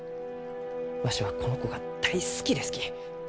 わしはこの子が大好きですき。